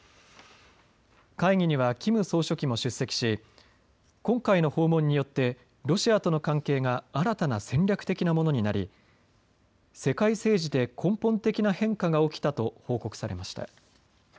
会議にはキム総書記も出席し今回の訪問によってロシアとの関係が新たな戦略的なものになり世界政治で根本的な変化が起きたと報告されました。